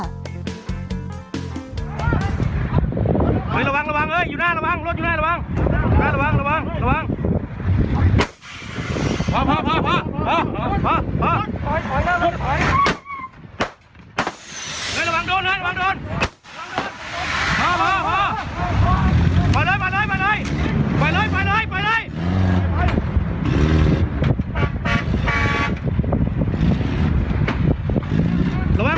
ระวังอยู่หน้าระวังรถอยู่หน้าระวัง